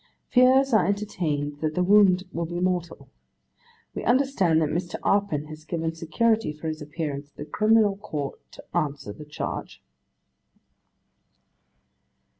'Fears are entertained that the wound will be mortal. We understand that Mr. Arpin has given security for his appearance at the Criminal Court to answer the charge.